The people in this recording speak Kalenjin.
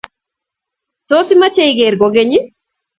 Tos, imache igeer kogeny?